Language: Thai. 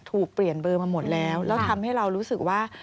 ถูกเปลี่ยนเบอร์มาหมดแล้วแล้วทำให้เรารู้สึกว่า